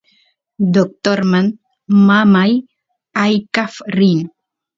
doctorman mamay aykaf rin